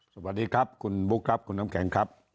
สวัสดีครับคุณบุ๊คครับคุณน้ำแข็งครับ